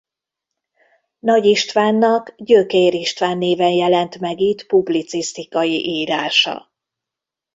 Nagy Istvánnak Gyökér István néven jelent meg itt publicisztikai írása.